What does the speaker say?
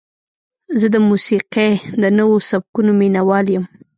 زه د موسیقۍ د نوو سبکونو مینهوال یم.